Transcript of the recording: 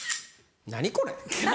何これ？